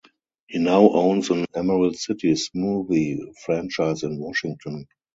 He now owns an Emerald City Smoothie franchise in Washington.